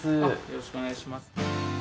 よろしくお願いします。